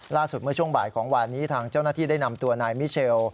เมื่อช่วงบ่ายของวานนี้ทางเจ้าหน้าที่ได้นำตัวนายมิเชล